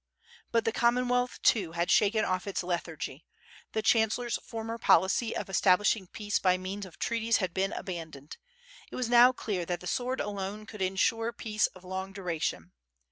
But the Commonwealth too, had shaken off its lethargy. The chancellors former policy of establishing peace by means of treaties had been abandoned. It was now clear that the sword alone could insure peace of long duration.